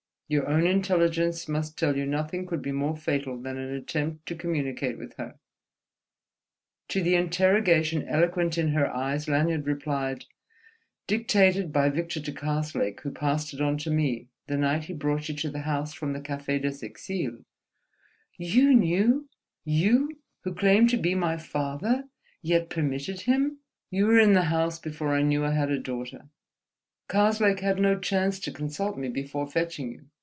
Your own intelligence must tell you nothing could be more fatal than an attempt to communicate with her'"_ To the interrogation eloquent in her eyes Lanyard replied: "Dictated by Victor to Karslake, who passed it on to me, the night he brought you to the house from the Café des Exiles." "You knew—you, who claim to be my father—yet permitted him—?" "You were in the house before I knew I had a daughter; Karslake had no chance to consult me before fetching you.